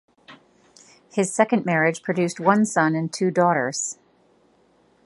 His second marriage produced one son and two daughters.